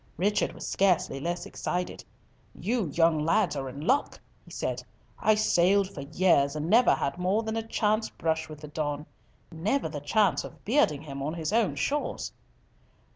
Richard was scarcely less excited. "You young lads are in luck," he said. "I sailed for years and never had more than a chance brush with the Don; never the chance of bearding him on his own shores!"